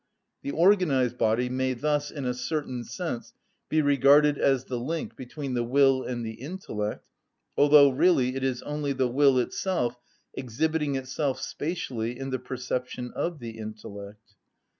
The organised body may thus, in a certain sense, be regarded as the link between the will and the intellect; although really it is only the will itself exhibiting itself spatially in the perception of the intellect.